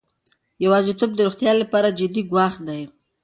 یوازیتوب د روغتیا لپاره جدي ګواښ دی.